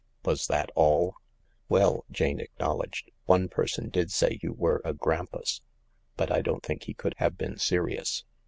" Was that all ?" "Well," Jane acknowledged, "one person did say you wefe a grampus, but I don't think he could have been serious."